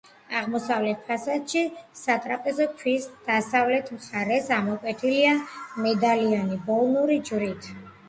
აღმოსავლეთ ფასადში სატრაპეზო ქვის დასავლეთ მხარეს ამოკვეთილია მედალიონი „ბოლნური ჯვრით“.